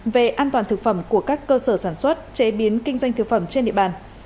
về an toàn thực phẩm của các cơ sở sản xuất chế biến kinh doanh thực phẩm trên địa bàn